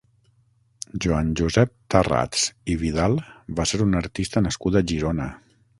Joan-Josep Tharrats i Vidal va ser un artista nascut a Girona.